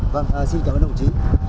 vâng xin cảm ơn bố trí